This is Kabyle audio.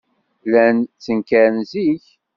Llan ttenkaren zik.